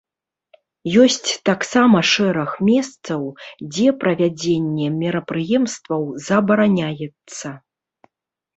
Ёсць таксама шэраг месцаў, дзе правядзенне мерапрыемстваў забараняецца.